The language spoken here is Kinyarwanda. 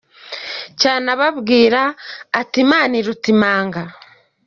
cyane ababwira ati “Imana iruta Imanga.